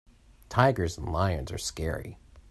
Tigers and lions are scary.